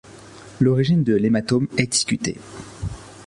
L’origine de l’hématome est discutée.